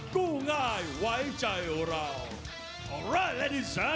กู้ง่ายไว้ใจเรา